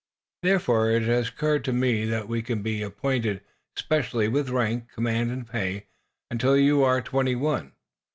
"Therefore, it has occurred to me that you can be appointed, specially, with rank, command and pay, until you are twenty one.